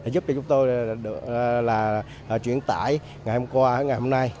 giúp cho chúng tôi được chuyển tải ngày hôm qua ngày hôm nay